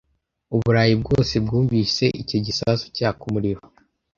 Uburayi bwose bwumvise icyo gisasu cyaka umuriro,